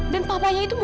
dan papanya itu bukan